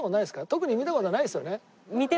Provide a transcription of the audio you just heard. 特に見た事ないですよね？